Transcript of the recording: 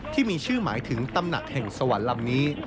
ที่มีชื่อหมายถึงตำหนักแห่งสวรรค์ลำนี้